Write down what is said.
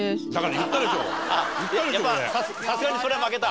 やっぱさすがにそれは負けた？